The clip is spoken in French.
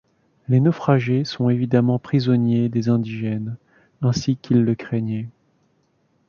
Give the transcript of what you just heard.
Les naufragés sont évidemment prisonniers des indigènes, ainsi qu’ils le craignaient.